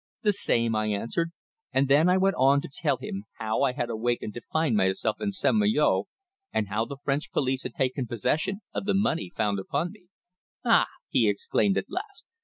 "The same," I answered, and then I went on to tell him how I had awakened to find myself in St. Malo, and how the French police had taken possession of the money found upon me. "Ah!" he exclaimed at last.